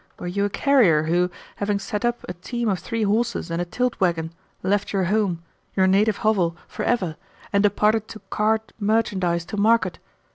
Were you a carrier who, having set up a team of three horses and a tilt waggon, left your home, your native hovel, for ever, and departed to cart merchandise to market?